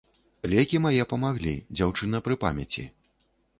Лекі мае памаглі, дзяўчына пры памяці.